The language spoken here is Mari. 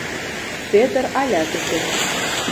Пӧдыр алят уке.